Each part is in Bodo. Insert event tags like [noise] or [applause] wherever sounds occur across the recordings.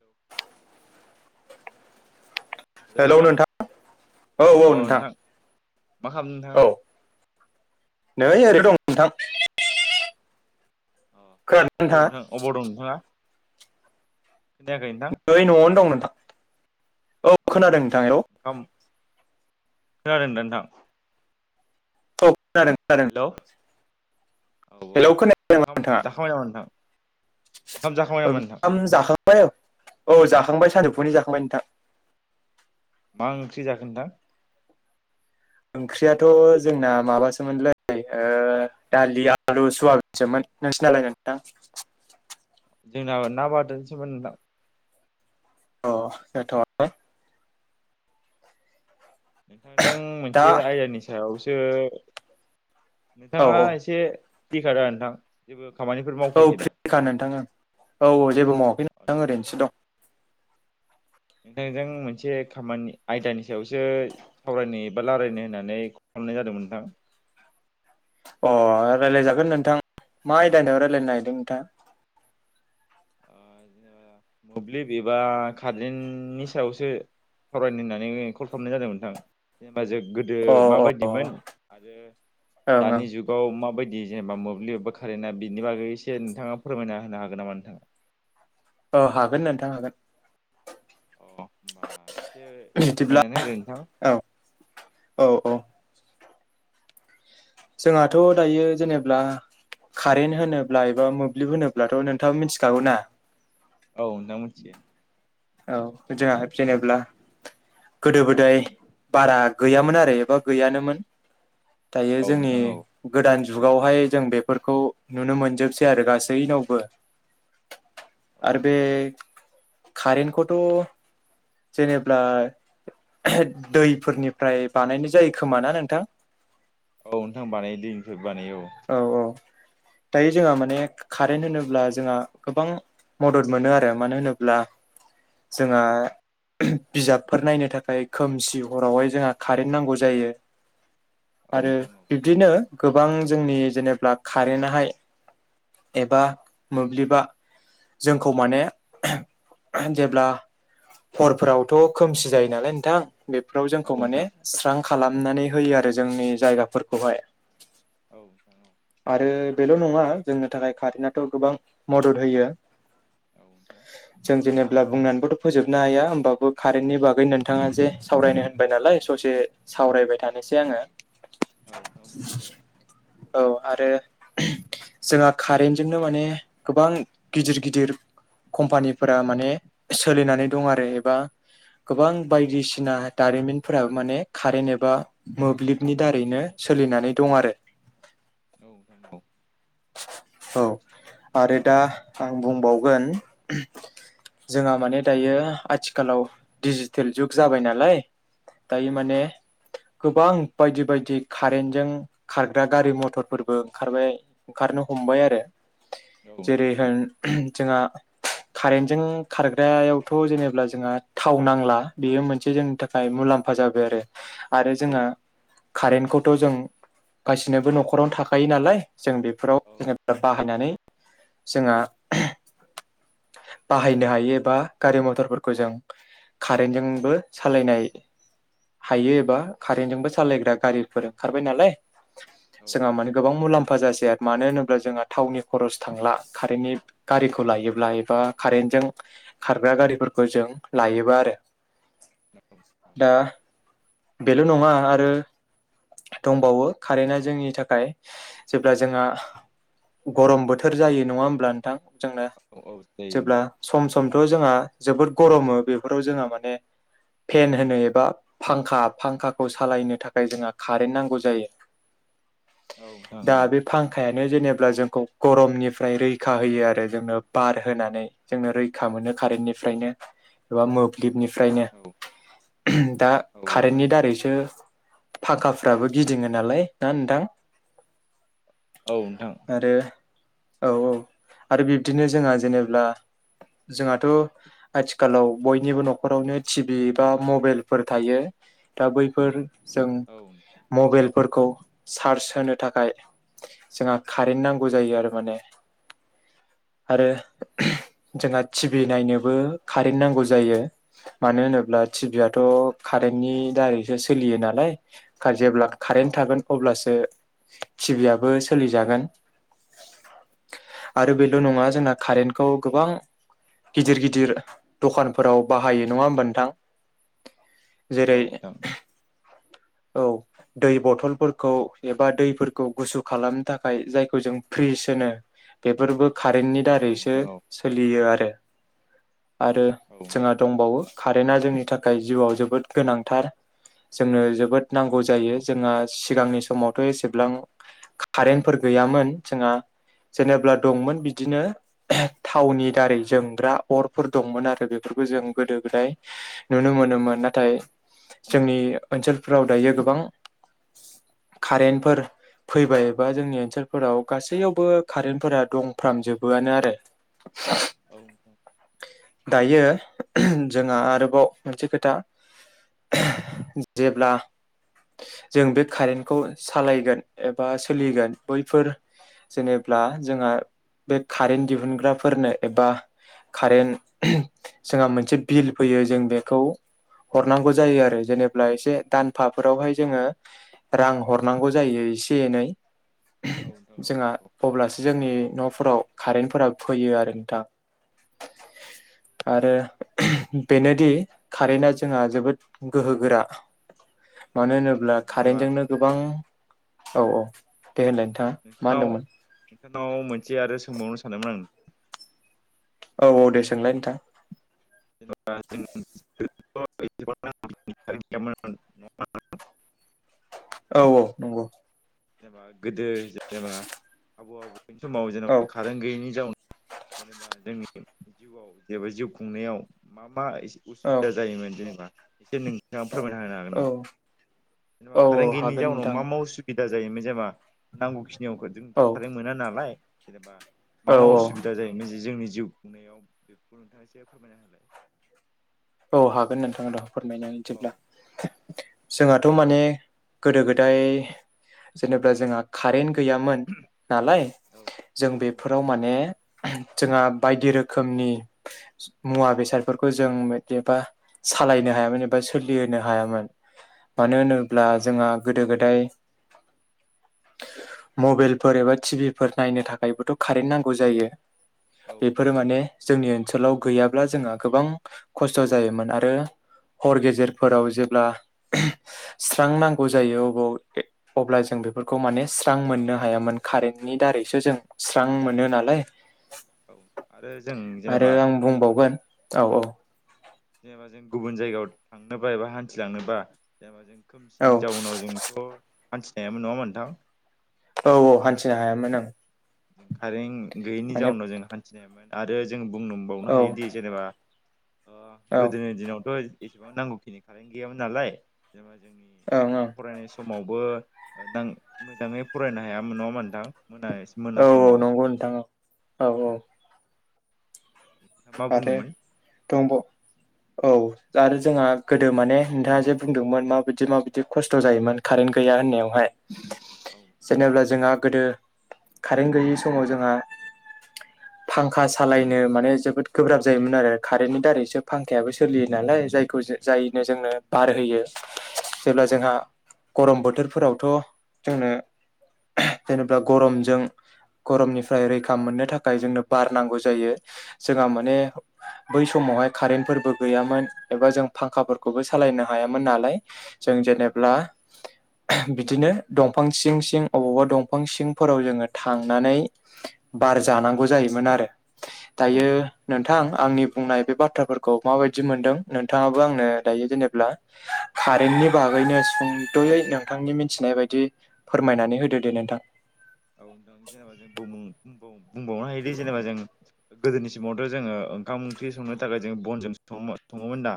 हेलौ [unintelligible] हेलौ नोंथां औ नोंथां मा खालामदों नोंथां? औ नै ओरै दं नोंथां। ओ खोनादों नोंथाङा अबाव नोंथां अबाव दं नोंथाङा। खोनायाखै नोंथां नै न'आवनो दं नोंथां औ अ खोनादों नोंथां हेल' ओंखाम खोनादों ना नोंथां? खोनादों खोनादों। हेलौ औ औ हेलौ खोनायाखै नामा ओंखाम नोंथाङा जाखांबाय नामा नोंथां? ओंखाम जाखांबाय नामा नोंथां? ओंखाम जाखांबाय औ जाखांबाय सानजुफुनि जाखांबाय नोंथां। मा ओंख्रि जाखो नोंथां? ओंख्रियाथ' जोंना माबासोमोनलै ओ दालि आलु सवाबिनसोमोन। नोंसिना लाय नोंथां? जोंना ना बाथोन सोमोन नोंथां। अ [unintelligible] नोंथां दा मोनसे आयदानि सायावसो औ नोंथाङा औ एसे दिखारा नोंथां। खामानिफोर औ मावखायाखै दा फ्रिखा नोंथाङा ओं औ जेबो माव। अ नोंथांजों। नोंथांजों मोनसे खामानि आयदानि सायावसो सावरायनो एबा रायलायनो होननानै खालामनाय जादों नोंथां। अ रायजलायजागोन नोंथां मा आयदानियाव रायजलायनो नागिरदों नोंथां। ओ जेनेबा मोब्लिब एबा खारेननि सायावसो फरायनो होननानै कल खालामनाय जादोंमोनथां। गोदो अ अ माबायदिमोन आरो अ ओं ओं दानि जुगाव माबायदि जेनेबा मोब्लिबबा कारेन्टा बिनि बागै एसे नोंथाङा फोरमायना होनो हागोन नामा नोंथाङा। औ हागोन नोंथां हागोन। अ होनोमबा एसे बिदिब्ला फोरमायनानै ओ नोंथां। औ औ औ जोंहाथ' दायो जेनेब्ला। कारेन्ट होनोब्ला एबा मोब्लिब होनोब्लाथ' नोंथाङ मिथिखागौ ना। औ नोंथां मिथियो। औ जोंहा जेनेब्ला गोदो गोदाय बारा गैयामोन आरो एबा गैयानोमोन दायो औ जोंनि नोंथां औ गोदान जुगावहाय जों बेफोरखौ नुनो मोनजोबसै आरो गासैनावबो आरो बे कारेन्टखौथ' जेनेब्ला दैफोरनिफ्राय बानायनाय जायो खोमा ना नोंथां। औ नोंथां बानायो दैफोर औ औ दायो जोंहा माने कारेन्ट होनोब्ला जोंहा गोबां मदद मोनो आरो मानो होनोब्ला जोंहा बिजाबफोर नायनो थाखाय खोमसि हरावहाय जोंहा कारेन्ट नांगौ जायो। औ आरो नोंथां औ बिब्दिनो गोबां जोंनि जेनेब्ला कारेनाहाय एबा मोब्लिबा जोंखौ माने जेब्ला हरफोरावथ' खोमसि जायो नालाय नोंथां बेफोराव औ जोंखौ माने नोंथां स्रां खालामनानै होयो आरो जोंनि जायगाफोरखौहाय औ नोंथां औ आरो बेल' नङा जोंनो थाखाय कारेनाथ' गोबां मदद होयो। औ नोंथां जों जेनेब्ला बुं बोथ' फोजोबनो हाया होमबाबो कारेननि बागै नोंथाङा जे सावरायनो होनबाय नालाय ससे सावरायबाय थानोसै आङो। औ नों बुं दे। औ आरो ओहोम। जोंहा कारेनजोंनो माने गोबां गिदिर गिदिर कम्पानिफोरा माने सोलिनानै दं आरो एबा गोबां बायदिसिना दारिमिनफोरा माने कारेन्ट एबा मोब्लिबनि दारैनो सोलिनानै दं आरो। औ। [inaudible] औ आरो दा आं बुंबावगोन ओहोम। जोंहा माने दायो आथिखालाव डिजिटेल जुग जाबाय नालाय। औ दायो माने गोबां बायदि बायदि कारेनजों खारग्रा गारि मथरफोरबो ओंखारबाय ओंखारनो हमबाय आरो जेरै नोंथां होन ओहो जोंहा [inaudible] कारेन्टजों खारग्रायावथ' जेनेब्ला जोंहा थाव नांला बेयो मोनसे जोंनि थाखाय मुलाम्फा जा जाबाय आरो। आरो औ औ जोंहा कारेन्टखौथ' जों गासिनोबो न'खरावनो थाखायो नालाय। जों बेफोराव औ औ जोङो बाहायनानै जोंहा ओहो बाहायनो हायो एबा गारि मथरफोरखौ जों कारेन्टजोंबो सालायनाय हायो एबा कारेन्टजोंबो सालायग्रा गारिफोर ओंखारबाय नालाय। जोंहा नोंथां माने गोबां मुलाम्फा जासै आरो। मानो होनोब्ला जोंहा टावननि खरस थांला कारेन्टनि गारिखौ लायोब्ला एबा कारेन्टजों खारग्रा गारिफोरखौ जों लायोबा आरो। [inaudible] दा बेल' नङा आरो दंबावो। कारेन्टआ जोंनि थाखाय जेब्ला जोंहा गरम बोथोर जायो। नङा होमब्ला नोंथां? जोंनो औ औ जायो जेब्ला सम समथ' जोंहा जोबोद गरमो बेफोराव जोंहा माने फेन होनो एबा फांखा फांखाखौ सालायनो थाखाय जोंहा कारेन्ट नांगौ जायो। नोंथां औ दा नोंथां बे फांखाया यानो जेनेब्ला जोंखौ गरमनिफ्राय रैखा होयो आरो जोंनो बार होनानै जोंनो रैखा मोनो कारेनिफ्रायनो एबा मोब्लिबनि फ्रायनो ओहोम दा औ कारेननि दारैसो फांखाफ्राबो गिदिङो नालाय ना नोंथां? औ नोंथां। आरो औ औ आरो बिब्दिनो जोंहा जेनेब्ला जोंहाथ' आथिखालाव बयनिबो न'खरावनो टिभि बा मबेलफोर थायो। दा बैफोर जों औ मबेलफोरखौ चार्ज होनो थाखाय जोंहा कारेन नांगौ जायो आरो माने [inaudible] आरो जोंहा ओहोम टि भि नायनोबो कारेन्ट नांगौ जायो मानो होनोब्ला टिभियाथ' कारेन्टनि दारैसो सोलियो नालाय जेब्ला कारेन्ट थागोन अब्लासो टिभिआबो सोलिजागोन। आरो बेल' नोंथां नङा आरो जोंना कारेन्टखौ गोबां गिदिर गिदिर दखानफोराव बाहायो। नङा होमबा नोंथा? औ नोंथां। औ दै बथल खौ एबा दैफोरखौ गुसु खालामनो थाखाय जायखौ जों फ्रिज होनो बेफोरबो कारेन्टनि औ दारैसो नोंथां औ सोलियो आरो आरो औ जोंहा नोंथां दंबावो कारेन्टा जोंनि थाखाय थाखाय जिउआव जोबोद गोनांथार जोंनो जोबोद औ नोंथां औ नांगौ नोंथां जायो जोंहा आंनि समावथ' एसेब्लां कारेन्टफोर गैयामोन जोंहा जेनेब्ला दंमोन बिदिनो थावनि दारै जोंग्रा अरफोर दंमोन आरो बेफोर जों गोदो गोदाय नुनो मोनोमोन नाथाय जोंनि ओनसोलफोराव दायो गोबां कारेन्टफोर फैबायबा जोंनि ओनसोलफोराव गासैयावबो कारेन्टफोरा दंफ्रामजोबोआनो आरो [unintelligible] औ। दायो जोंहा आरोबाव मोनसे खोथा जेब्ला जों बे कारेन्टखौ सालायगोन एबा सोलिगोन बैफोर जेनेब्ला जोंहा बे कारेन्ट दिहुनग्राफोरनो एबा कारेन्ट जोंहा मोनसे बिल फैयो जों बेखौ हरनांगौ जायो आरो जेनेबब्ला एसे दानफाफोरावहाय जोङो रां हरनांगौ जायो एसे एनै नोंथां औ जोंहा औ अब्लासो जोंनि न' फोराव कारेन्टफोरा फैयो आरो नोंथा। [inaudible] आरो बेनोदि कारेन्टआ जोंहा जोबोद गोहो गोरा मानो होनोब्ला जेनेबा कारेन्टजोंनो गोबां औ औ। दे होनलाय नोंथाङा मा होनदोंमोन? ननाव मोनसे आरो सोंबावनो सानदोंमोन आं। औ औ दे सोंलाय नोंथां। [unintelligible] औ औ नंगौ। जेनेबा गोदो जेनेबा आबौ आबौ। समाव औ जेनेबा कारेन्ट गैयैनि जाउनाव जेनेबा जोंनि जिउआव जेबा जिउ खुंनायाव मा मा ए औ उसुबिदा जायोमोन जेनेबा एसे नोंथाङा फोरमायना होनो हागोन औ नामा? जेनेबा औ औ कारेन्थ गैयैनि हागोन जाउनाव नोंथां मा मा उसुबिदा जायोमोन जेनेबा नांगौखिनियाव औ जोंथ' खारेन मोना नालाय जेनेबा औ मा मा असुबिदा जायोमोन जोंनि जिउ खुंनायाव बेफोरखौ नोंथाङा एसे फोरमायनो हालाय औ हागोन नोंथांमोन फोरमायना जेब्ला जोंहाथ' माने गोदो गोदाय जेनेबा जोंहा कारेन्ट गैयामोन नालाय औ जों औ बेफोराव नोंथां औ माने जोंहा बायदि रोखोमनि मुवा बेसादफोरखौ जों जेनबा सालायनो हायामोन एबा सोलिहोनो हायामोन मानो होनोब्ला जोंहा गोदो गोदाय मबाइलफोर एबा टि भिफोर नायनो थाखायबोथ' कारेन्ट नांगौ जायो। औ बेफोरो नोंथां माने, जोंनि ओनसोलाव गैयाब्ला जोंहा गोबां- खस्थ' जायोमोन आरो हर गेजेरफोराव जेब्ला स्रां नांगौ जायो अबाव-अब्ला जों बेफोरखौ माने स्रां मोननो हायामोन। कारेन्टनि दारैसो जों स्रां मोनो नालाय। - औ-जों जेनेबा आं बुंबावगोन औ औ जेनेबा जों, गुबुन जायगायाव थांनोबा एबा हान्थिलांनोबा, जेनेबा जों- औ खोमसिनि जाउनाव जोंथ' हान्थिनो हायामोन नङा होम्बा नोंथां। औ-औ-हान्थिनो हायामोन ओं कारेन्ट गैयैनि जाउनाव जों हान्थिनाय आरो जों बुंनोबावनो औ हायोदि जेनेबा ओं ओ-गोदोनि दिनावथ' एसेबां नांगौखिनि कारेन्ट गैयामोन नालाय। [unintelligible] ओं फरायनाय सम समावबो नोंथां मोजाङै फरायनो हायामोन नङा होम्बा नोंथां। मोजाङै औ औ नंगौ नोंथां औ औ मा आरो बुंदोंमोन? दंब' औ आरो जोंहा गोदो माने नोंथाङा जे बुंदोंमोन माबायदि माबायदि खस्थ' जायोमोन, कारेन्त गैया होननायावहाय औ जेनेब्ला जोंहा गोदो कारेन्ट गैयि समाव जोंहा, फांखा सालायनो माने जोब जोबोद गोब्राब जायोमोन आरो कारेन्टनि दारैसो फांखायाबो सोलियो नालाय। जायखौ- औ जायनो जोंनो बार होयो, जेब्ला औ जोंहा गरम बोथोरफोरावथ' जोंनो जेनेबा गरमजों। - गरमनिफ्राय रैखा मोननो थाखाय जोंनो बार नांगौ जायो। जोंहा माने बै समावहाय कारेन्टफोरबो गैयामोन, एबा जों फांखाफोरखौबो सालायनो हायामोन नालाय। जों औ जेनेब्ला- बिदिनो दंफां सिं सिं, अबावबा दंफां सिंफोराव जोङो थांनानै। बार जानांगौ जायोमोन आरो, औ दायो नोंथां नोंथां आंनि बुंनाय बे बाथ्राफोरखौ माबायदि मोनदों? नोंथाङाबो आंनो दायो जेनेब्ला कारेन्ट नि बागैनो सुंद'यै नोंथांनि मिथिनाय बायदि, फोरमायनानै होदो दे नोंथां। औ नोंथां दा जेनेबा जों बुं- बुं बुंबावनो हायोदि, जेनेबा जों गोदोनि समावथ' जोङो ओंखाम ओंख्रि संनो थाखाय जों बनजों सङोमो- सङोमोन दा।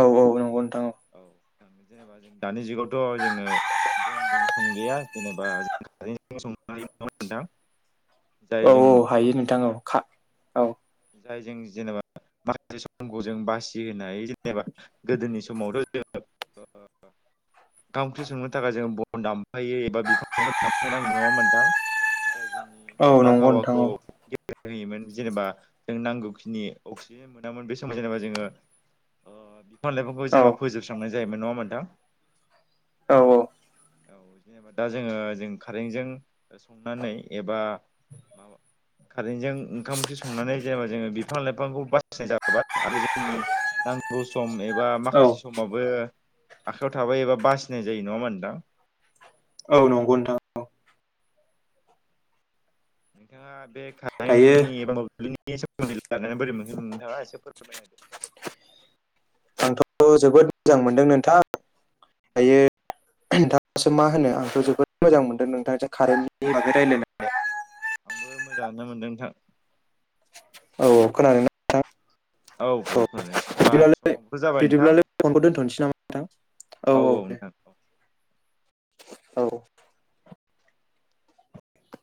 औ औ नंगौ नोंथां। औ नोंथां। जेनेबा जों दानि जुगावथ' जोङो बनजों संलिया, जेनेबा जों कारेन्ट जोंनो संनो औ नोंथां। जाय औ जों औ हायो नोंथां औ का- औ जाय जों जेनेबा माखासे समखौ जों बासि होनो हायो। जेनेबा गोदोनि समावथ' जोङो ओंखाम ओंख्रि संनो थाखाय जों बन दामफायो एबा बिफांफोर- दामफायनांगौ नङा होम्बा नोंथां। जाय जोंनि औ नंगौ नोंथां बारहावाखौ औ। गेबें होयोमोन। जेनेबा जों नांगौखिनि अक्सिजेन मोनामोन। बे समाव जेनेबा जोङो, ओ बिफां लाइफांखौ औ जेनेबा फोजोबस्रांनाय जायोमोन नङा होम्बा नोंथां। औ औ औ जेनेबा दा जोङो, जों कारेन्टजों संनानै एबा माबा, कारेेनजों ओंखाम ओंख्रि संनानै, जेनेबा जोङो बिफां लाइफांखौ बासायनाय जाबाय। आरो जोंनि नांगौ सम एब बा औ। औ माखासे समावबो आखायाव थाबाय एबा बासिनाय जायो। नङा होमबा नोंथां? औ नंगौ नोंथां औ नोंथाङा बे दायो बे सोमोन्दै लानानै बोरै मोनगोन नोंथाङा एसे फोरमायनो औ जोबोद मोजां मोनदों नोंथां। दायो दासो मा होनो आंथ‌‌ जोबोद मोजां औ मोनदों नोंथां जे कारेन्टनि बागै रायलायनानै आंबो मोजाङानो मोनदों नोंथां औ खोनादों ना नोंथां? औ औ खोनादो दे होमबा बिदिब्लालाय समावबो जाबाय नोंथां बिदिब्लालाय फनखौ दे दोनथ'नोसै नामा नोंथां औ औ नोंथां औ औ